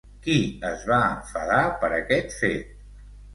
Qui es va enfadar per aquest fet?